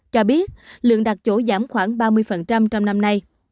cho biết lượng đặt chỗ giảm khoảng ba mươi trong năm nay